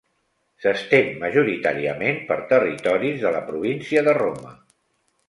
S'estén, majoritàriament, per territoris de la província de Roma.